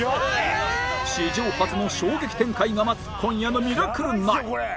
史上初の衝撃展開が待つ今夜の『ミラクル９』